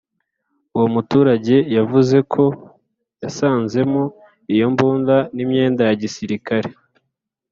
Uwo muturage yavuzeko yasanzemo iyo mbunda n’imyenda ya gisirikare